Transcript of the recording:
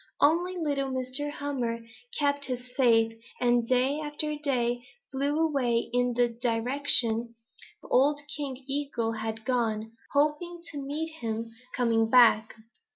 Only little Mr. Hummer kept his faith and day after day flew away in the direction old King Eagle had gone, hoping to meet him coming back.